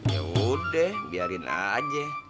yaudah biarin aja